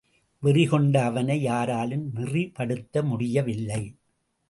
வெறி கொண்ட அவனை யாராலும் நெறிப்படுத்த முடிய வில்லை.